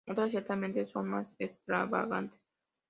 Otras, ciertamente, son más extravagantes.